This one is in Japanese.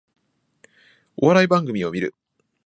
お笑い番組を観る